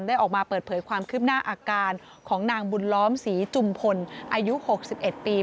ออกมาเปิดเผยความคืบหน้าอาการของนางบุญล้อมศรีจุมพลอายุ๖๑ปี